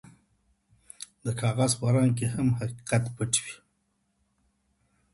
د کاغذ په رنګ کې هم حقیقت پټ وي.